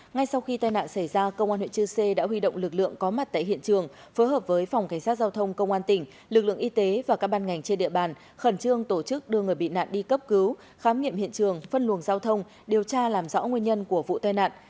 ngay sau khi tai nạn xảy ra công an huyện chư sê đã huy động lực lượng có mặt tại hiện trường phối hợp với phòng cảnh sát giao thông công an tỉnh lực lượng y tế và các ban ngành trên địa bàn khẩn trương tổ chức đưa người bị nạn đi cấp cứu khám nghiệm hiện trường phân luồng giao thông điều tra làm rõ nguyên nhân của vụ tai nạn